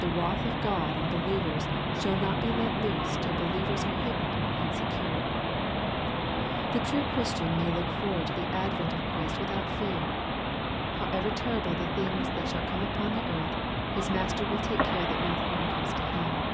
The wrath of God on believers shall not be let loose till believers are hidden and secure. The true Christian may look forward to th> ad vent of 288 EXPOSITORY THOUGHTS. Christ without fear. However terrible the things thai shall come upon the earth, his Master will take care that no harm comes to him.